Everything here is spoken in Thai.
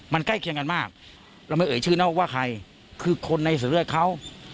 มันใกล้เคียงกันมากเราไม่เอ่ยชื่อเนอะว่าใครคือคนในเสือเลือดเขา